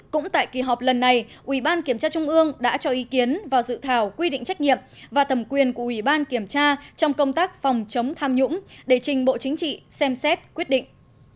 năm cũng tại kỳ họp lần này ủy ban kiểm tra trung ương đã cho ý kiến vào dự thảo quy định trách nhiệm và thẩm quyền của ủy ban kiểm tra trong công tác phòng chống tham nhũng để trình bộ chính trị xem xét quyết định